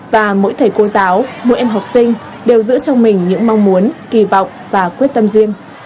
và mỗi thầy cô giáo mỗi em học sinh đều giữ trong mình những mong muốn kỳ vọng và quyết tâm riêng